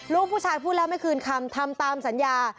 ลูกผู้ชายพูดแล้วไม่คืนคำทำตามสัญญา